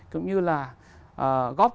cũng như là góp